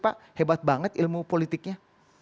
pak hebat banget ilmu politiknya